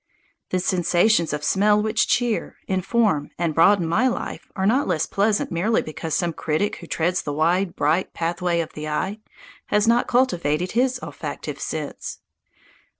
The sensations of smell which cheer, inform, and broaden my life are not less pleasant merely because some critic who treads the wide, bright pathway of the eye has not cultivated his olfactive sense.